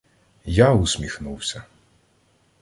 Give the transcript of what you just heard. Я усміхнувся.